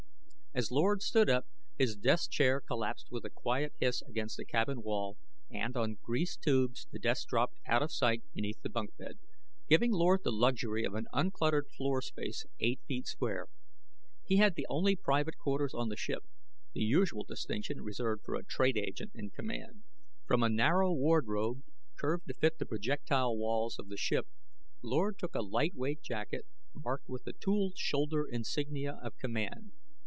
As Lord stood up, his desk chair collapsed with a quiet hiss against the cabin wall, and, on greased tubes, the desk dropped out of sight beneath the bunk bed, giving Lord the luxury of an uncluttered floor space eight feet square. He had the only private quarters on the ship the usual distinction reserved for a trade agent in command. From a narrow wardrobe, curved to fit the projectile walls of the ship, Lord took a lightweight jacket, marked with the tooled shoulder insignia of command.